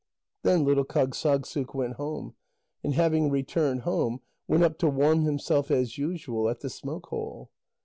Then little Kâgssagssuk went home, and having returned home, went up to warm himself as usual at the smoke hole.